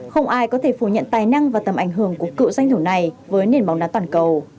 không ai có thể phủ nhận tài năng và tầm ảnh hưởng của cựu danh thủ này với nền bóng đá toàn cầu